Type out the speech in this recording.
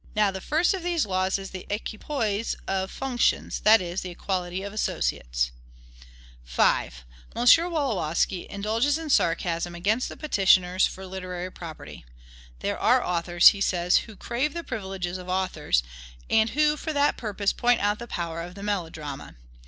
Now, the first of these laws is the equipoise of functions; that is, the equality of associates. 5. M. Wolowski indulges in sarcasm against the petitioners for literary property. "There are authors," he says, "who crave the privileges of authors, and who for that purpose point out the power of the melodrama.